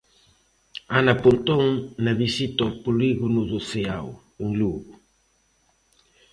Ana Pontón na visita ao polígono do Ceao, en Lugo.